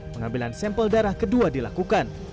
pengambilan sampel darah kedua dilakukan